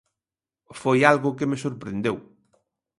Foi algo que me sorprendeu.